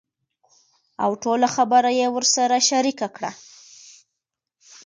اوټوله خبره يې ورسره شريکه کړه .